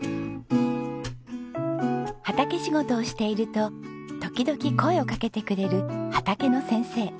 畑仕事をしていると時々声を掛けてくれる畑の先生。